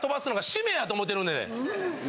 やと思ってるんで。